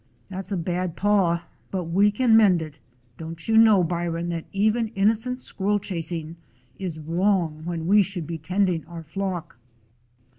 "That 's a bad paw, but we can mend it. Don't you know, Byron, that even innocent squirrel chasing is wrong when we should be tending our flock